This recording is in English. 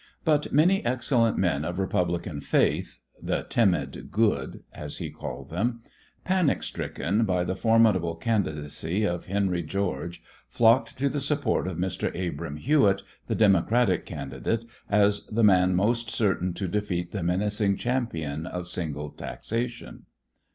But many excellent men of Republican faith the "timid good," as he called them panic stricken by the formidable candidacy of Henry George, flocked to the support of Mr. Abram Hewitt, the Democratic candidate, as the man most certain to defeat the menacing champion of single taxation.